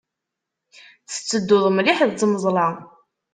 Tettedduḍ mliḥ d tmeẓla.